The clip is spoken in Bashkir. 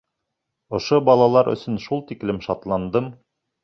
Ошо балалар өсөн шул тиклем шатландым.